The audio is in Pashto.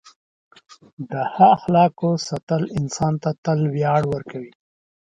د ښه اخلاقو ساتل انسان ته تل ویاړ ورکوي.